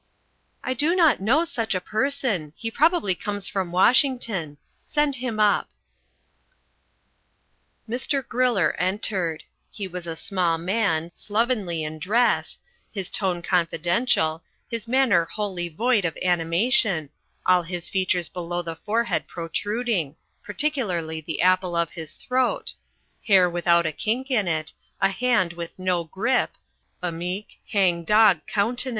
"I do not know such a person. He probably comes from Washington. Send him up." Mr. Griller entered. He was a small man, slovenly in dress, his tone confidential, his manner wholly void of animation, all his features below the forehead protruding particularly the apple of his throat hair without a kink in it, a hand with no grip, a meek, hang dog countenance.